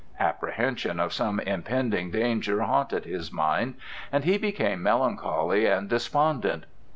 Apprehensions of some impending danger haunted his mind, and he became melancholy and despondent.